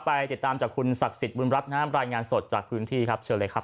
ไปติดตามจากคุณศักดิ์สิทธิบุญรัฐน้ำรายงานสดจากพื้นที่ครับเชิญเลยครับ